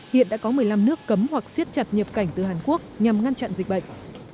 hiện đã có một mươi năm nước cấm hoặc siết chặt nhập cảnh từ hàn quốc nhằm ngăn chặn dịch bệnh